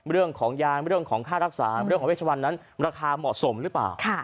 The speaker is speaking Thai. เรื่องของยางเรื่องของค่ารักษาเรื่องของเวชวันนั้นราคาเหมาะสมหรือเปล่า